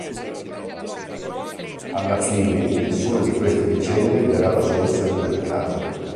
Alla fine nessuna di queste vicende darà la soluzione del caso.